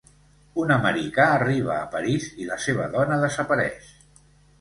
Un americà arriba a París i la seva dona desapareix.